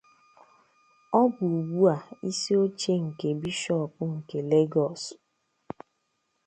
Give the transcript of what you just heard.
Ọ bụ ugbu a isi oche nke Bishọp nke Lagos.